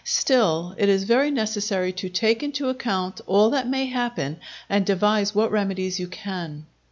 Still it is very necessary to take into account all that may happen, and devise what remedies you can.